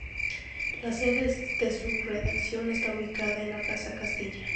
La sede de su redacción está ubicada en la plaza Castilla.